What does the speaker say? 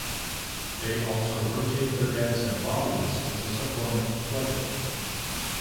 They also rotate their heads and body muscles as a form of play.